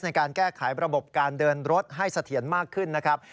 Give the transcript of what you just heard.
ในการแก้ไขระบบการเดินรถให้เสถียรมากขึ้นนะครับ